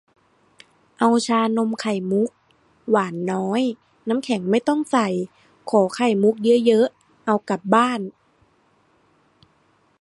เอาชานมไข่มุก หวานน้อย น้ำแข็งไม่ต้องใส่ ขอไข่มุกเยอะ ๆ เอากลับบ้าน